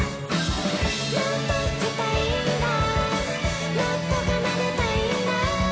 「もっと弾きたいんだもっと奏でたいんだ」